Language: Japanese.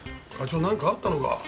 課長なんかあったのか？